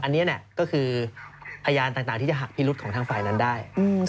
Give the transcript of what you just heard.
อันนี้ก็คือพยานต่างที่จะหักพิรุษของทางฝ่ายนั้นได้